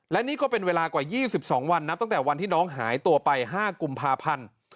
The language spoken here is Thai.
และนี่ก็เป็นเวลากว่า๒๒วันนับตั้งแต่วันที่น้องหายตัวไป๕กุมภาพันธ์